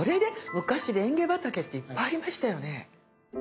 昔レンゲ畑っていっぱいありましたよね。